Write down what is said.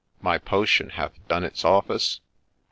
My potion hath done its office